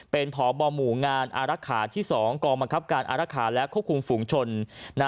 เป็นพบหมู่งานอารักษาที่๒กองบังคับการอารักษาและควบคุมฝูงชน